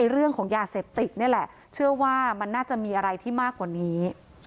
เรื่องของยาเสพติดนี่แหละเชื่อว่ามันน่าจะมีอะไรที่มากกว่านี้